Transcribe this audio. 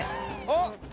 あっ！